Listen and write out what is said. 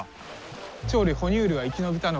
鳥類哺乳類は生き延びたのか。